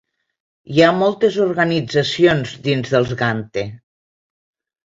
Hi ha moltes organitzacions dins dels Gangte.